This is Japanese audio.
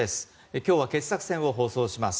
今日は傑作選を放送します。